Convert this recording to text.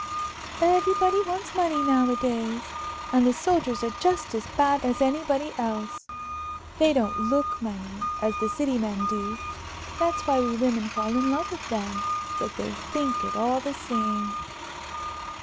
"Everybody wants money nowadays. And the soldiers are just as bad as anybody else. They don't look money, as the City men do that's why we women fall in love with them but they think it, all the same."